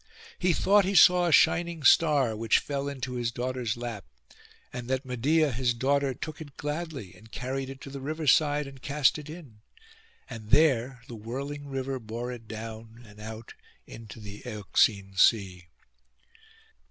He thought he saw a shining star, which fell into his daughter's lap; and that Medeia his daughter took it gladly, and carried it to the river side, and cast it in, and there the whirling river bore it down, and out into the Euxine Sea.